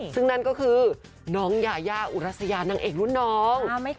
ซึ่งนั่นก็คือน้องยายาอุรัสยานางเอกรุ่นน้อง